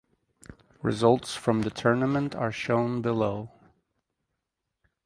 Results from the tournament are shown below.